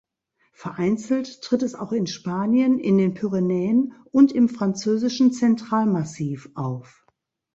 Vereinzelt tritt es auch in Spanien, in den Pyrenäen und im französischen Zentralmassiv auf.